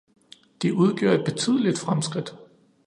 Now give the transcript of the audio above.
De udgjorde et betydeligt fremskridt.